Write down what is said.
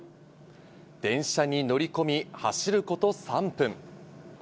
電車に乗り込み、走ること３分。